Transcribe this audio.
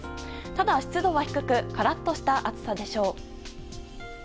ただ湿度は低くカラッとした暑さでしょう。